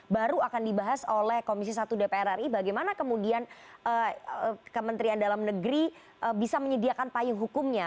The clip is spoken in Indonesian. baru akan dibahas oleh komisi satu dpr ri bagaimana kemudian kementerian dalam negeri bisa menyediakan payung hukumnya